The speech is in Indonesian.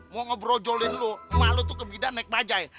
mau ngebrojolin lu mahluk tuh ke bidang naik bajaj